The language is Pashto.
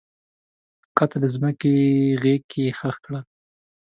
کښته د مځکې غیږ کې ښخ کړله